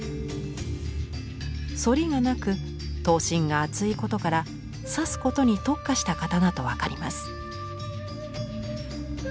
反りがなく刀身が厚いことから刺すことに特化した刀と分かります。